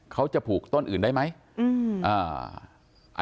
เขาจะผูกต้นอื่นได้ไหมอืมอ่า